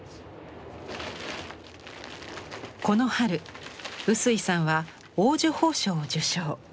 この春臼井さんは黄綬褒章を受章。